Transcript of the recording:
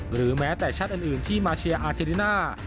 หรือแม้แต่ชาติอื่นที่มาเชียร์อาเจริน่า